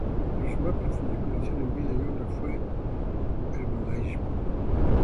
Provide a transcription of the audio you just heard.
Pero su más profunda inspiración en vida y obra fue el cristianismo.